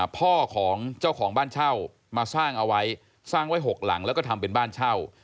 พ่อของเจ้าของบ้านเช่ามาสร้างเอาไว้สร้างไว้๖หลังแล้วก็ทำเป็นบ้านเช่า